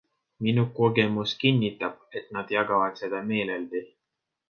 Minu kogemus kinnitab, et nad jagavad seda meeleldi.